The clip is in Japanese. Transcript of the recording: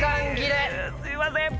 すいません！